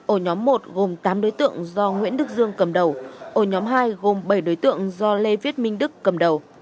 ổ nhóm một gồm tám đối tượng do nguyễn đức dương cầm đầu ổ nhóm hai gồm bảy đối tượng do lê viết minh đức cầm đầu